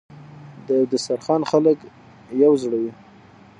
د یو دسترخان خلک یو زړه وي.